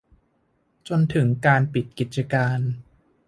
จนถึงการปิดกิจการ